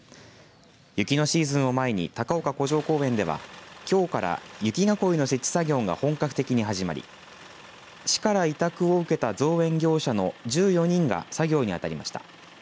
雪のシーズンを前に高岡古城公園ではきょうから雪囲いの設置作業が本格的に始まり市から委託を受けた造園業者の１４人が作業にあたりました。